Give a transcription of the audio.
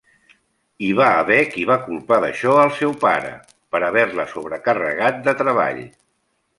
Hi va haver qui va culpar d'això el seu pare, per haver-la sobrecarregat de treball.